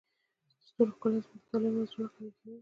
د ستورو ښکلا زموږ د خیالونو وزرونه قوي کوي.